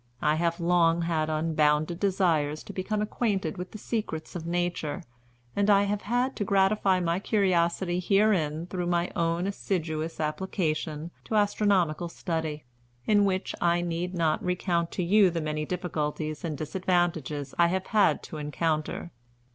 I have long had unbounded desires to become acquainted with the secrets of Nature, and I have had to gratify my curiosity herein through my own assiduous application to astronomical study; in which I need not recount to you the many difficulties and disadvantages I have had to encounter.